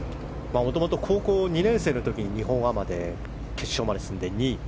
もともと高校２年生の時に日本アマで決勝まで進んで２位。